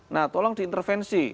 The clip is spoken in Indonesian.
nah tolong diintervensi